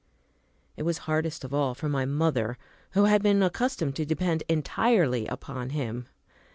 It was hardest of all for my mother, who had been accustomed to depend entirely upon him.